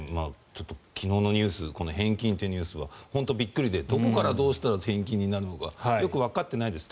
ちょっと、昨日のニュース返金というニュースは本当にびっくりでどこからどうしたら返金になるのかよくわかってないです。